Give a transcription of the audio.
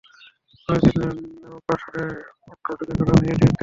পরের দিন রোববার রাত সাড়ে আটটার দিকে গর্ভাবস্থায় শিশুটির মৃত্যু হয়।